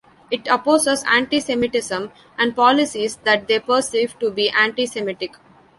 It opposes antisemitism and policies that they perceive to be antisemitic.